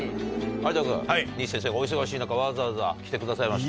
有田君西先生がお忙しい中わざわざ来てくださいました。